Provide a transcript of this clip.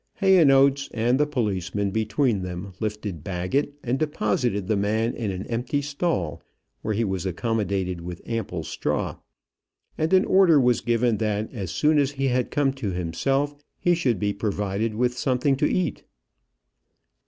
Hayonotes and the policeman between them lifted Baggett, and deposited the man in an empty stall, where he was accommodated with ample straw. And an order was given that as soon as he had come to himself, he should be provided with something to eat.